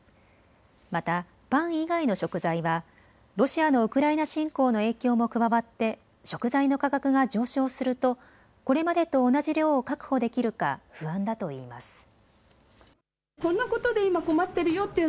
またパン以外の食材はロシアのウクライナ侵攻の影響も加わって食材の価格が上昇するとこれまでと同じ量を確保できるか不安だといいます。